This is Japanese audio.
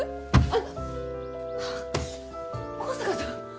あっ香坂さん